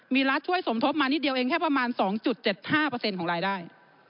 มีรัฐช่วยสมทบมานิดเดียวเองแค่ประมาณ๒๗๕ของรายได้